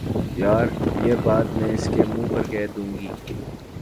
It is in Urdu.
یار، یہ بات میں اس کے منہ پر کہ دوں گی